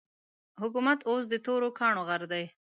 حکومت اوس د تورو کاڼو غر دی.